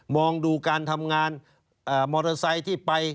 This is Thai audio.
องดูการทำงานมอเตอร์ไซค์ที่ไป